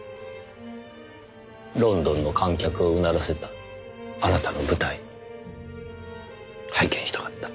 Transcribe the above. ロンドンの観客をうならせたあなたの舞台拝見したかった。